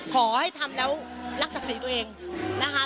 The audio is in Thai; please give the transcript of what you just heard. ขอให้ทำแล้วรักศักดิ์ศรีตัวเองนะคะ